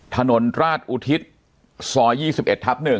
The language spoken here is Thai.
ถนนราชอุทิศซอย๒๑ทับ๑